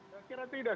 saya kira tidak